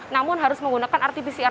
namun harus menggunakan rt pcr